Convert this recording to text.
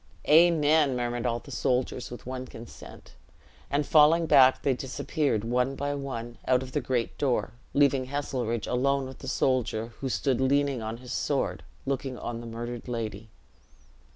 "Amen!" murmured all the soldiers, with one consent; and falling back, they disappeared, one by one, out of the great door, leaving Heselrigge alone with the soldier, who stood leaning on his sword, looking on the murdered lady.